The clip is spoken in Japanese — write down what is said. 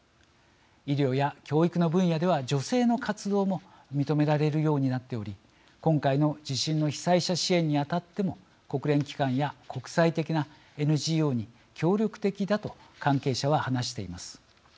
医療や教育の分野では女性の活動も認められるようになっており今回の地震の被災者支援に当たっても国連機関や国際的なＮＧＯに協力的だと関係者は話しています。